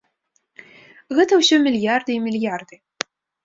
Гэта ўсё мільярды і мільярды.